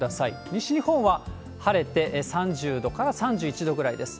西日本は晴れて、３０度から３１度ぐらいです。